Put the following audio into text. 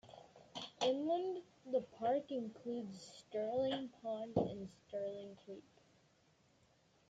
Inland, the park includes Sterling Pond and Sterling Creek.